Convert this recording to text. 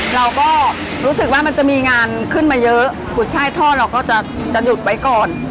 เราก็รู้สึกว่ามันจะมีงานขึ้นมาเยอะกุช่ายทอดเราก็จะหยุดไว้ก่อน